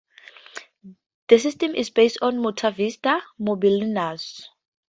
The system is based on MontaVista's Mobilinux.